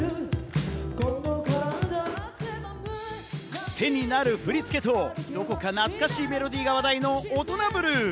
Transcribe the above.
クセになる振り付けと、どこか懐かしいメロディーが話題の『オトナブルー』。